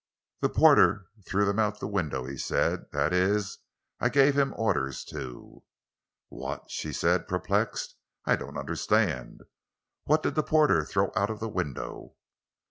"The porter threw them out of the window," he said. "That is, I gave him orders to." "What?" she said, perplexed. "I don't understand. What did the porter throw out of the window?"